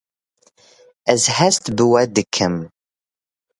Ez hest bi wê dikim